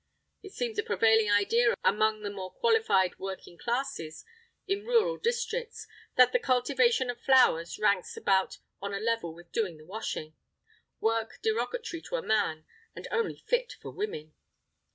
_ It seems a prevailing idea among the non qualified working classes, in rural districts, that the cultivation of flowers ranks about on a level with doing the washing—work derogatory to a man and only fit for women!